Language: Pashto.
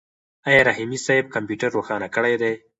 آیا رحیمي صیب کمپیوټر روښانه کړی دی؟